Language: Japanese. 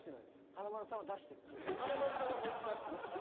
華丸さんは本気出してました。